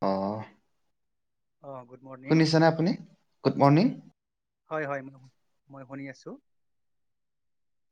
অ অ good morning শুনিছেনে আপুনি গুড মৰ্ণিং হয় হয় মই শুনি আছোঁ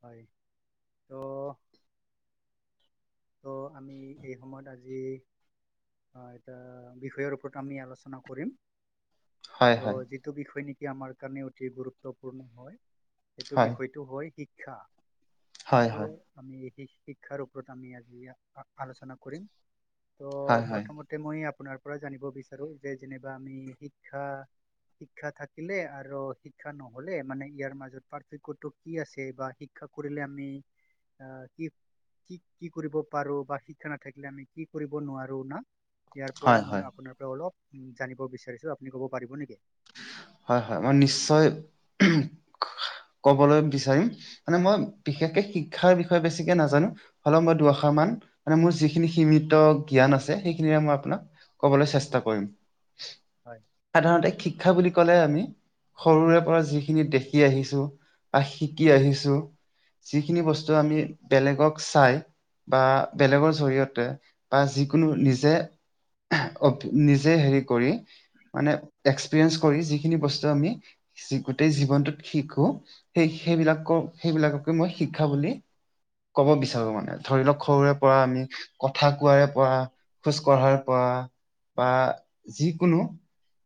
হয় তো ত' আমি এই সময়ত আজি অ এটা বিষয়ৰ ওপৰত আমি আলোচনা কৰিম হয়, ত' হয়, যিটো বিষয় নেকি আমাৰ কাৰণে অতি গুৰুত্বপূৰ্ণ হয় সেইটো হয়, বিষয়টো হয় শিক্ষা হয়, হয়, ত' আমি শিক্ষাৰ ওপৰত আমি আজি আলোচনা কৰি হয়, হয়, প্ৰথমই আপোনাৰ পৰা জানিব বিচাৰো যে যেনিবা আমি শিক্ষা শিক্ষা থাকিলে আৰু শিক্ষা নহলে মানে ইয়াৰ মাজত পাৰ্থক্য়তটো কি আছে বা শিক্ষা কৰিলে আমি আহ কি কি কি কৰিব পাৰো বা শিক্ষা নাথাকিলে আমি কি কৰিব নোৱাৰো না ইয়াৰ হয়, পৰা মই হয়, আপোনাৰ পৰা অলপ উ জানিব বিচাৰিছো আপুনি ক'ব পাৰিব নেকি হয় হয় মই নিশ্চয় কবলৈ বিচাৰিম মানে মই হয় বিশেষকে শিক্ষাৰ বিষয়ে বেছিকে নাজানো হ'লে মই দুআশ মান মানে মোৰ যিখিনি সীমিত জ্ঞান আছে সেইখিনিৰে মই আপোনাক কবলৈ চেষ্টা কৰিম হয় সাধাৰণতে শিক্ষা বুলি কলে আমি সৰুৰে পৰা যিখিনি দেখি আহিছো বা শিকি আহিছো যিখিনি বস্তু আমি বেলেগক চাই বা বেলেগৰ জৰিয়তে বা যিকোনো নিজে অ নিজে হেৰি কৰি মানে গ সেইবিলাককে মই শিক্ষা বুলি কব বিচাৰো মানে ধৰি লওক সৰুৰে পৰা আমি কথা কোৱাৰে পৰা খোজ কঢ়াৰে পৰা বা যিকোনো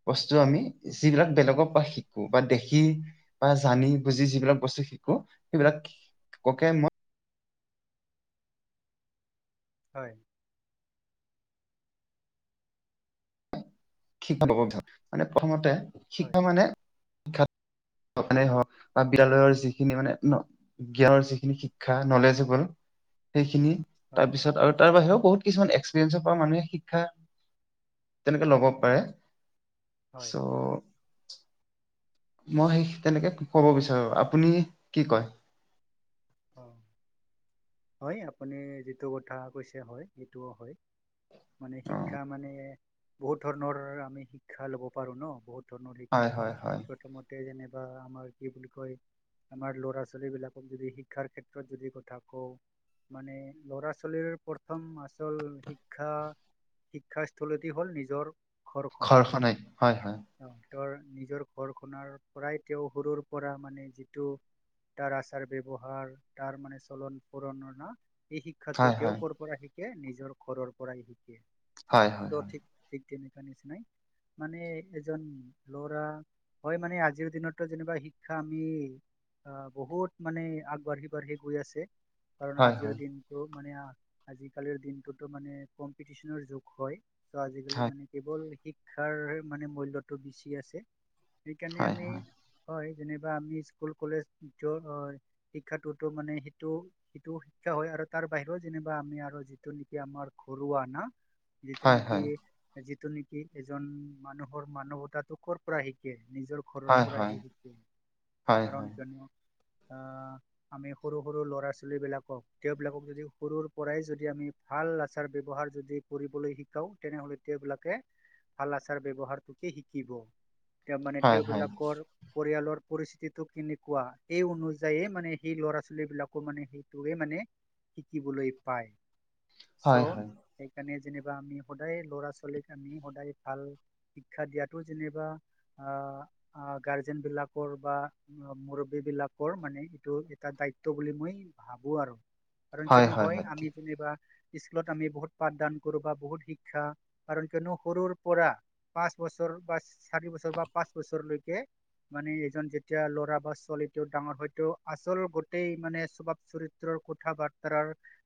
বস্তু আমি যিবিলাক বেলেগৰ পৰা শিকো বা দেখি বা জানি বুজি যিবিলাক বস্তু শিকো এইবিলাক ককে মই হয় শিক্ষা বি মানে প্ৰথমতে হয় শিক্ষা মানে [inaudible] হওক বা বিয়ালয়ৰ যিখিনি মানে জ্ঞানৰ যিখিনি শিক্ষা নলেজবল সেইখিনি হয় তাৰপিছত আৰু তাৰ বাহিৰেও বহুত কিছুমান এক্স মানুহে শিক্ষা তেনেকে লব পাৰে হয় ছ' মই সেই তেনেকে ক'ব বিচাৰোঁ আপুনি কি কয় অ হয় আপুনি যিটো কথা কৈছে হয় সেইটোও হয় মানে অ শিক্ষা মানে বহুত ধৰণৰ আমি শিক্ষা ল'ব পাৰো ন বহুত হয় লিকা হয় হয় প্ৰথমতে যেনে বা আমাৰ কি বুলি কয় আমাৰ ল'ৰা ছোৱালীবিলাকক যদি শি শিক্ষাৰ ক্ষেত্ৰত যদি কথা কও মানে ল'ৰা ছোৱালীৰ প্ৰথম আচল শিক্ষা শিক্ষা স্থলীতে হ'ল নিজৰ ঘৰখনেই হয় হয় ৰ নিজৰ ঘৰ খনৰ পৰাই তেওঁ সৰুৰ পৰা মানে যিটো তাৰ আচাৰ ব্হাৰ তাৰ মানে চলন ফুৰণ ন সেই শিক্ষাো হয় তেওঁ কৰ পৰা শিকে নিজৰ ঘৰৰ পৰাই শিকে হয় হয় দ' ঠিক ঠিক তেনেকুৱা নিচিনাই মানে এজন ল'ৰা হয় মানে আজিৰ দিনতো যেনিবা শিক্ষা আমি আহ বহুত মানে আগবাঢ়ি বাঢ়ি গৈ আছে কাৰণ হয় হয় আজিৰ হয় দিনটো মানে আ আজিকালিৰ দিনটোতো মানে কম্পিটিচনৰ যুগ হয়। চ' আজিকালি হয় মানে কেৱল শিক্ষাৰ মানে মূল্যটো বেছি আছে। সেইকাৰণে হয় হয় হয় আমি হয়, যেনিবা আমি স্কুল কলেজ য হয় শিক্ষাটোতো মানে সেইটো- সেইটো শিক্ষা হয় আৰু তাৰ বাহিৰেও যেনিবা আমি আৰু যিটো নেকি আমাৰ ঘৰুৱা না যিটো হয় নেকি হয় যিটো এইটো নেকি এজন মানুহৰ মানৱতাটো কৰ' পৰা শিকে। নিজৰ ঘৰৰ হয় পৰাহে শিকে, হয় কাৰণ হয় কিয়নো আ আমি সৰু- সৰু ল'ৰা ছোৱালী বিলাকক তেওঁবিলাকক যদি সৰুৰ পৰাই যদি আমি ভাল আচাৰ ব্যৱহাৰ যদি কৰিবলৈ শিকাওঁ তেনেহ'লে সেইবিলাকে ভাল আচাৰ ব্যৱহাৰটোকে শিকিব। এতিয়া মানে হয় হয় তেওঁবিলাকৰ পৰিয়ালৰ পৰিস্থিতিটো কেনেকুৱা সেই অনুযায়ীয়ে মানে সেই ল'ৰা ছোৱালী বিলাকো মানে সেইটোৱে মানে শিকিবলৈ পায়। চ' হয় সেইকাৰনে যেনিবা আমি সদায় ল'ৰা ছোৱালীক আমি সদায় ভাল শিক্ষা দিয়াতো যেনিবা আ গাৰ্জেন বিলাকৰ বা মোৰ [unintelligible] মানে সেইটো তাৰ দায়িত্ব বুলি মই ভাবো আৰু কাৰণ কেনো হয় আমি যেনিবা স্কুলত আমি বহুত পাঠদান কৰোঁ বা বহুত শিক্ষা কাৰণ কিয়নো সৰুৰ পৰা পাঁচ বছৰ বা চাৰি বছৰ বা পাঁচ বছৰলৈকে মানে এজন যেতিয়া ল'ৰা বা ছোৱালীটো ডাঙৰ হয়তো আছে গোটেই মানে স্বভাৱ চৰিত্ৰৰ কথা বাৰ্তাৰ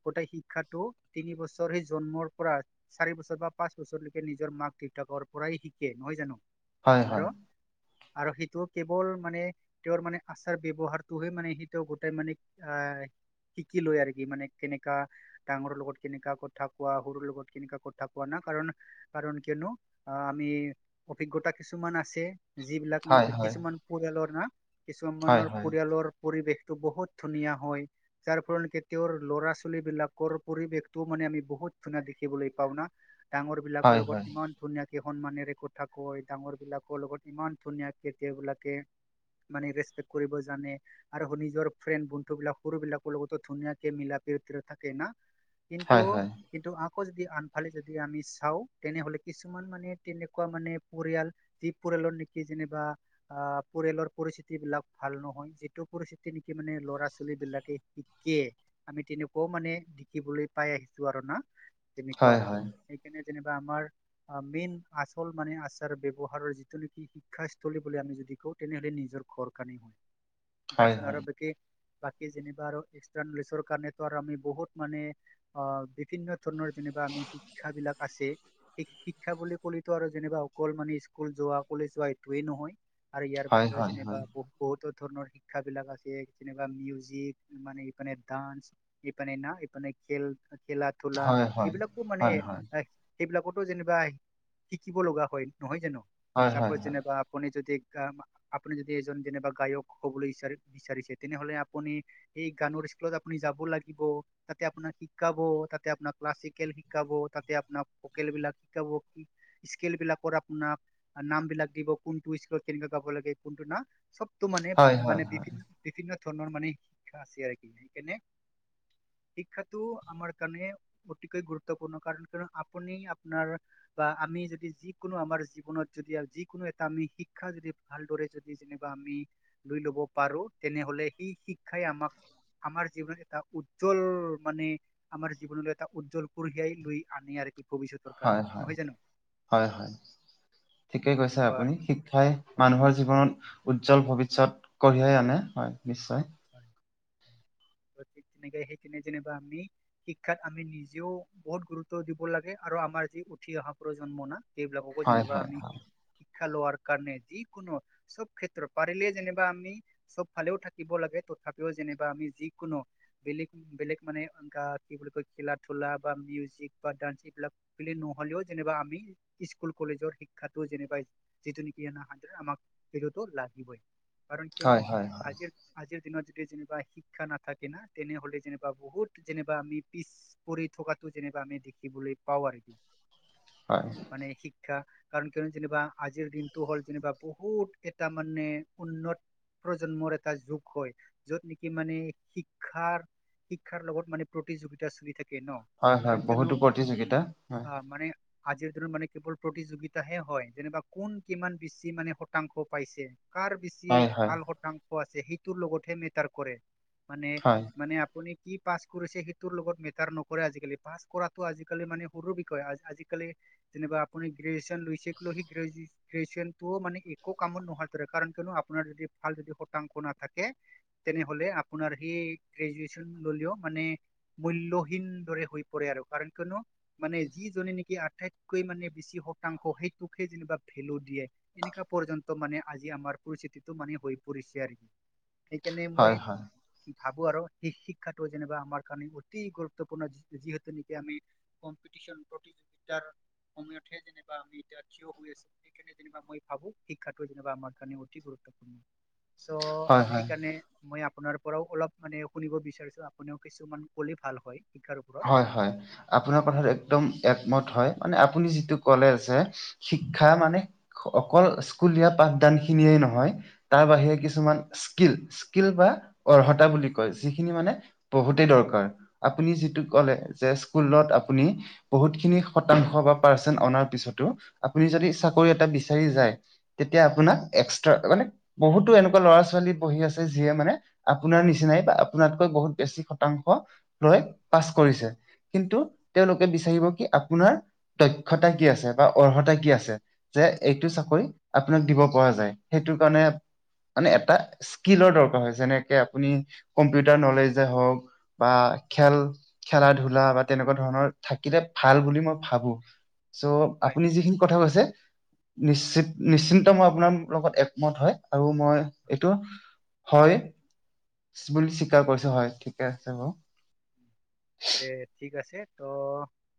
গোটেই শিক্ষাটো তিনি বছৰ জন্মৰ পৰা চাৰি বছৰ বা পাঁচ বছৰলৈকে নিজৰ মাক দেউতাকৰ পৰাই শিকে নহয় জানো। হয়- আৰু হয়। আৰু সেইটো কেৱল মানে তেওঁৰ মানে আচাৰ ব্যৱহাৰটোহে মানে শি গোটেই মানে আ শিকিলৈ আৰু কি মানে কেনেকা ডাঙৰৰ লগত কেনেকা কথা কোৱা সৰুৰ লগত কেনেকা কথা কোৱা না। কাৰন - কাৰণ কিয়নো আমি অভিজ্ঞতা কিছুমান আছে। যিবিলাক হয় হয় কিছুমান পৰিয়ালৰ না কিছুমান হয় হয় মানৰ পৰিয়ালৰ পৰিৱেশ টো বহুত ধুনীয়া হয়, যাৰ ফল তেওঁৰ ল'ৰা ছোৱালী বিলাকৰ পৰিৱেশতো মানে আমি বহুত ধুনীয়া দেখিবলৈ পাও না ডাঙৰ বিলাকৰ হয় হয় লগত হয় ইমান ধুনীয়া কেইখনমানেৰে কথা কয় ডাঙৰ বিলাকৰ লগত ইমান ধুনীয়া [unintelligible] বিলাকে মানে ৰেচপেক্ট কৰিব জানে আৰু নিজৰ ফ্ৰেণ্ড বন্ধু বিলাক সৰুবিলাকৰ লগতো ধুনীয়াকে মিলা প্ৰতি থাকে ন। কিন্তু হয় - কিন্তু আ যদি আনফালে যদি আমি চাও তেনেহলে কিছুমান মানে তেনেকুৱা মানে পৰিয়াল পৰিয়ালৰ নেকি যেনিবা অ, পৰিয়ালৰ পৰিস্থিতি বিলাক ভাল নহয় যিটো পৰিস্থিতি তেনেকি মানে ল'ৰা ছোৱালী বিলাকে শিকে আমি তেনেকুৱাও মানে দেখিবলৈ পাই আহিছো আৰু। তেনেকুৱা হয় আৰু হয়। সেইকাৰণে যেনিবা আমাৰ মেইন আচল মানে আচাৰ ব্যৱহাৰৰ যিটো নেকি শিক্ষা স্থলী বুলি আমি যদি কও তেনেহলে নিজৰ খৰকা ন হয় দশন হয় আৰভক বাকি যেনিবা আৰু এক কাৰণ আমি বহুত মানে বিভিন্ন ধৰণৰ যেনিবা আমি শিক্ষাবিলাক আছে। শিক্ষা বুলি ক'লেতো আৰু যেনিবা অকল মানে স্কুল যোৱা কলে যোৱা এইটোৱেই নহয়। আৰু ইয়াৰ হয় বাহিৰেও হয় যেনিবা বু বহুতো ধৰণৰ শিক্ষা শিক্ষাবিলাক আছে যেনো মিউজিক মানে এইপানে ডান্স এইপানে না এইপানে খেল খেলা ধূলা হয় হয় এইবিলাকো মানে হয় হয় এ সেইবিলাকতো যেনিবা শিকিব লগা হয় নহয় জানো হয় হয় হয় চাপজ যেনিবা আপুনি যদি আপুনি যদি এজন যেনে বা গায়ক ব বিচাৰিছে তেনেহলে আপুনি এই গানৰ স্কুলত আপুনি যাব লাগিব তাতে আপোনাক শিকাব তাতে আপোনাৰ ক্লাছিকেল শিকাব তাতে আপোনাৰ ভোকেল বিলাক শিকাব স্কেলাক ডাকৰ আপোনাৰ নামবিলাক দিব কোনটো স্কুলকৈ কৰিব লাগে কোনটো না চবটো মানে হয় মানে হয় হয় হয় বিভিন্ন - বিভিন্ন ধৰণৰ মানে শিক্ষা আছে আৰু কি সেইকাৰণে শিক্ষাটো আমাৰ কাৰণে অতিকৈ গুৰুত্বপূৰ্ণ কাৰণ ক আপুনি আপোনাৰ বা আমি যদি যি কোনো আমাৰ জীৱনত যদি যিকোনো এটা আমি শিক্ষা যদি ভালদৰে যদি যেনা আমি লৈ লব পাৰো তেনেহলে সেই শিক্ষাই আমাক আমাৰ জীৱনত এটা উজ্জ্বল মানে আমাৰ জীৱনলৈ এটা উজ্জ্বল কঢ়িয়াই লৈ আনে আৰু কি ভৱিষ্যতৰ কাৰণে হয় - হয় নহয় জানো - হয় - হয়। ঠিকেই কৈছে তেনেকুৱা আপুনি আৰু শিক্ষাই হয় মানুহৰ জীৱনত উম, উজ্জ্বল ভৱিষ্যত কঢ়িয়াই আনে হয় নিশ্চয়। হয়। তেনেকে সেই কেণনে যেনিবা আমি শিক্ষাত আমি নিজেও বহুত গুৰুত্ব দিব লাগে আৰু আমাৰ যি উঠি অহা প্ৰ জন্ম না সেইবিলাককো হয় যেনিবা হয় আমি শ খেলোৱাৰ কাৰণে যিকোনো চব ক্ষেত্ৰত পাৰিলে যেনিবা আমি চব ফালেও থাকিব লাগে। তথাপিও যেনা আমি যিকোনো বেলেগ - বেলেগ মানে এ কি বুলি কয় খেলা ধূলা বা মিউজিক বা ডান্স এইবিলাক বুলি নহলেও যেনিবা আমি স্কুল কলেজৰ শিক্ষা যেনিবা যিটো নেকি আমাকতো লাগিবই কাৰণ কিয়নো হয় হয় হয় আজিৰ - আজিৰ দিনত যদি যেনিবা শিক্ষা নাথাকে না তেনেহলে যেনিবা বহুত যেনিবা আমি পিছ পৰি থকাতো যেনিবা আমি দেখিবলৈ পাও আৰু কি হয়। মানে শিক্ষা কাৰণ কিয়নো যেনিবা আজিৰ দিনটো হ'ল যেনিবা বহুত এটা মানে উন্নত। প্ৰজন্মৰে তাৰ যুগ হয়। যত নেকি মানে শিক্ষাৰ শিক্ষাৰ লগত মানে প্ৰতিযোগিতা চলি থাকে। ন হয়-হয় কাৰণ কিয়নো বহুতো প্ৰতিযোগিতা উম হয়। আহ মানে আজিৰ দিনত মানে কেৱল প্ৰতিযোগিতাহে হয় যেনিবা কোন কিমান বেছি মানে শতাংশ পাইছে। কাৰ বেছি হয় হয় ভাল শতাংশ আছে সেইটোৰ লগতহে মেটাৰ কৰে। হয় মানে-মানে আপুনি কি পাছ কৰিছে সেইটোৰ লগত মেটাৰ নকৰে আজিকালি পাছ কৰাতটো আজিকালি মানে সৰু বিষয়ে আজিকালি যেনিবা আপুনি্ৰেজুৱন লৈছে সেইেজনটোো মানে একো কামত নোহোৱা ধৰে কাৰণ। আপোনাৰ যদি ভাল যদি শতাংশ নাথাকে। তেনেহলে আপোনাৰ সি গ্ৰেজুৱেচন ললেও মানে। মূল্যহিন দৰে হৈ পৰে আৰু কাৰণ কিয়নো মানে যিজনে নেকি আটাইতকৈ মানে বেছি। শতাংশ সেইটোকে যেনিবা ভেলু দিয়ে এনেকুৱা পৰ্যন্ত মানে আজি আমাৰ পৰিস্থিতিটো মানে হৈ। পৰিছে আৰু সেইকাৰণে মই। হয় হয় ভাবো আৰু শেই শিক্ষাটো যেনিবা আমাৰ কাৰণে অতি গুৰুত্বপূৰ্ণ যিহেতু নেকি আমি। প্ৰতিযোগিতাৰ সময়তহে যেনা আমি এতিয়া থিয় হৈ আছো সেইণে যে মই ভাবো শিক্ষাটো যো আমাৰ কাৰণে অতি গুৰুত্বপূৰ্ণ। চ' হয় হয় সেইকাৰণে মই। আপোনাৰ পৰাও অলপ মানে শুনিব বিচাৰিছোঁ আপুনিও কিছুমান ক'লে ভাল হয়। শিক্ষাৰ ওপৰত হয়-হয় আপোনাৰ কথাত একদম এক হয়, মানে আপুনি যিটো কলে আছে শিক্ষা মানে অকল স্কুলীয়া পাঠ। নহয় তাৰ বাহিৰে কিছুমান স্কিল স্কিল বা অৰ্হতা বুলি কয় যি। মানে বহুতেই দৰকাৰ আপুনি যিটো। কলে যে জেচস্কুল নত আপুনি বহুত খিনি শতাংশ বা পাৰ্চেন অনাৰ পিছতু আপুনি। যদি চাকৰি এটা বিচাৰি যায় তেতিয়া আপোনাক এস্কত্ৰা মানে আছে যিয় মানে আপোনাৰ নিচিনাই বা আপোননাতকৈ বহুত বেছি শতাংশ লৈ। পাছ কৰিছে কিন্তু হয় তেওঁলোকে বিচাৰিব কি আপোনাৰ দক্ষতা কি আছে বা অৰ্হতা কি আছে যে এইটো হয় চাকৰি আপোনাক দিব। পোৱা যায় সেইটো কাৰণে। মানে এটা স্কিলৰ দৰকাৰ হয় যেনেকে আপুনি কম্পিউটাৰ নলেজে হওক বা। খেল খেলা ধূলা বা তেনেকুৱা ধৰণৰ থাকিলে ভাল বুলি মই ভাবো। চ' হয় আপুনি যিখিনি কথা কৈছে। নিশ্চিত নিশ্চিন্ত মই আপোনাৰ লগত একমত হয় আৰু মই হয় এইটো। হয় বুলি স্বীকাৰ কৰিছো হয় ঠিকে আছে ব। হয়। এ ঠিক আছে ত'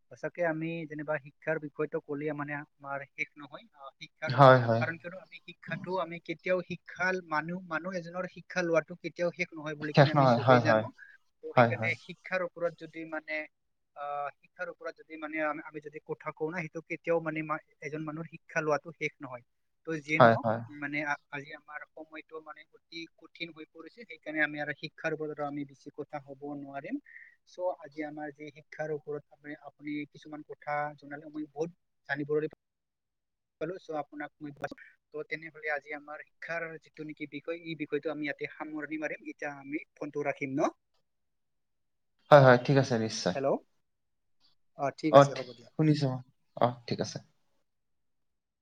সঁচাকে আমি যেনিবা শিক্ষাৰ বিষয়টো কল মানে আমাৰ শেষ নহয়। শিক্ষাৰ হয় হয় কাৰণ কিয়ো আমি শিক্ষাতো আমি কেতিয়াও শিক্ষা মানুহ মানুহ এজনৰ শিক্ষা লোৱাতটো কেতিয়াও শেষ। নহয় বুলি শেষ কেনে আমি নহয় চবেই হয় জানো হয় ত হয় হয় সেইকাৰণে শিক্ষাৰ ওপৰত যদি মানে। অ শিক্ষাৰ ওপৰত যদি মানে আমি যদি কথা কও ন সেইটো কেতিয়াও মানে এজন মানুহৰ শিক্ষা লোৱা। শেষ নহয় ত যিয়ে হয় নহওক হয়, মানে। আজি আমাৰ সময়তটো মানে অতি কঠিন হৈ পৰিছে সেইকাৰণে আমি আৰু শিক্ষাৰ ওপৰতো আমি বেছি কথা। হ'ব নোৱাৰিম। চ' আজি আমাৰ যি শিক্ষাৰ ওপৰত আ আপুনি কিছুমান কথা জনালে মই বহুত জানিবলে। হয়। আপাক তেনেলে আজি আমাৰ শিক্ষাৰ যিটো নেকি বিষয় এই বিষয়টো আমি ইতে সামৰণি মাৰিম এতিয়া আমি ফোনটো ৰাখিম ন। হয়-হয় ঠিক আছে নিশ্চয়। হেল্ল' ঠিক আছে অ' হ'ব দিয়া শুনিছো অ-অ ঠিক আছে।